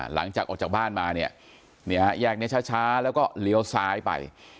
หลังจากออกจากบ้านมาเนี่ยฮะแยกนี้ช้าแล้วก็เลี้ยวซ้ายไป